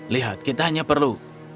lihat kita hanya perlu